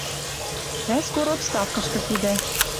Тӓ скоро отставкышкы кедӓ —